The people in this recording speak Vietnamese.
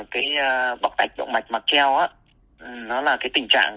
cái bọc tách động mạch mạc treo nó là cái tình trạng